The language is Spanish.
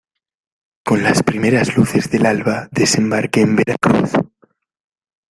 con las primeras luces del alba desembarqué en Veracruz.